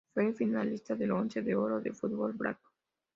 Fue finalista del Once de Oro de Fútbol Draft.